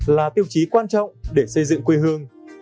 là tiêu chí quan trọng để xây dựng quê hương